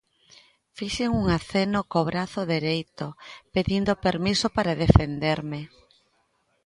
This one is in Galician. Fixen un aceno co brazo dereito, pedindo permiso para defenderme.